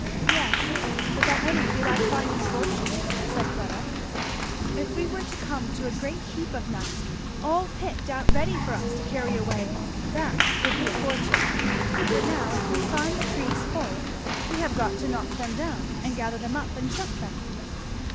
"Yes, but that wouldn't be like finding a fortune," said Fleda; "if we were to come to a great heap of nuts all picked out ready for us to carry away, that would be a fortune; but now if we find the trees full we have got to knock them down and gather them up and shuck them."